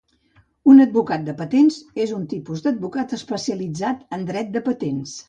Un advocat de patents és un tipus d'advocat especialitzat en dret de patents